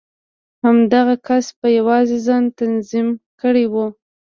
همدغه کس په يوازې ځان تنظيم کړی و.